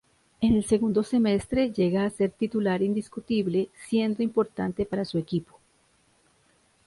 En el segundo semestre, llega a ser titular indiscutible, siendo importante para su equipo.